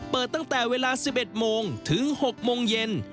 เปิดตั้งแต่เวลา๑๑โมงถึง๖โมงเย็น